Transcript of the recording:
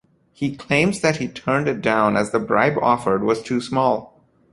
He claims that he turned it down as the bribe offered was too small.